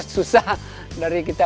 susah dari kita